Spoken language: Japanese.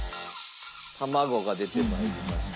卵が出て参りました。